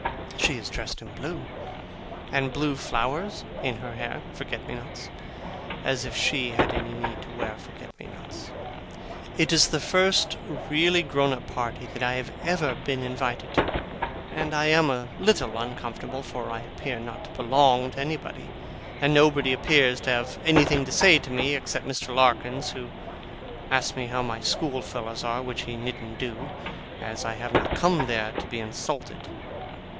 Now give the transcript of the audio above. She is dressed in blue, with blue flowers in her hair forget me nots as if SHE had any need to wear forget me nots. It is the first really grown up party that I have ever been invited to, and I am a little uncomfortable; for I appear not to belong to anybody, and nobody appears to have anything to say to me, except Mr. Larkins, who asks me how my schoolfellows are, which he needn't do, as I have not come there to be insulted.